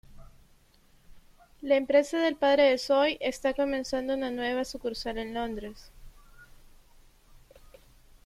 La empresa del padre de Zoey está comenzando una nueva sucursal en Londres.